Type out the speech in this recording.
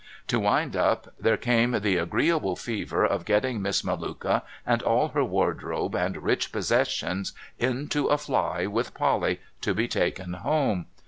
To wind up, there came the agreeable fever of getting Miss Melluka and all her wardrobe and rich possessions into a fly with Polly, to be taken home.